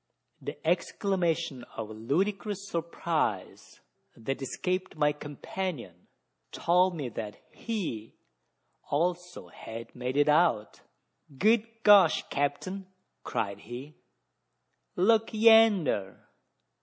The exclamation of ludicrous surprise, that escaped my companion, told me that he had also made it out. "Good gosh, capt'n!" cried he, "look yander!